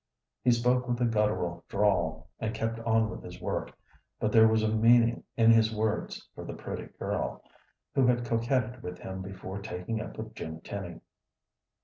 He spoke with a guttural drawl, and kept on with his work, but there was a meaning in his words for the pretty girl, who had coquetted with him before taking up with Jim Tenny.